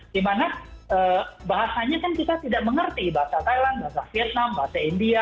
dimana bahasanya kan kita tidak mengerti bahasa thailand bahasa vietnam bahasa india